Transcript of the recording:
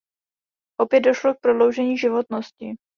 Opět došlo k prodloužení životnosti.